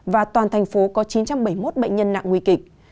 và toàn thành phố có chín trăm bảy mươi một bệnh nhân nặng nguy kịch